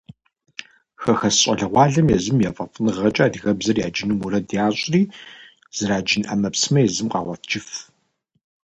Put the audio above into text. Хэхэс щӏалэгъуалэхэм езым я фӏэфӏыныгъэкӏэ адыгэбзэр яджыну мурад ящӏри, зэраджын ӏэмэпсымэ езым къагъуэтыжыф.